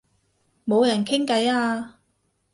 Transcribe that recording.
冇人傾偈啊